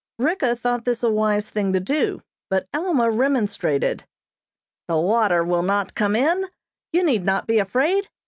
Ricka thought this a wise thing to do, but Alma remonstrated. "The water will not come in. You need not be afraid.